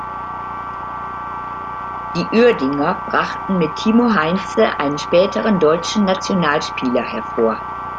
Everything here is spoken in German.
Die Uerdinger brachten mit Timo Heinze einen späteren deutschen Nationalspieler hervor.